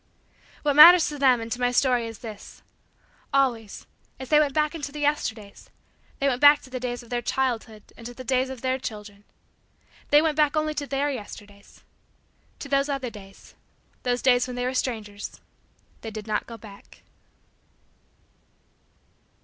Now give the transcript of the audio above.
What matters to them and to my story is this: always, as they went back into the Yesterdays, they went back to the days of their childhood and to the days of their children. They went back only to Their Yesterdays. To those other days those days when they were strangers they did not go back.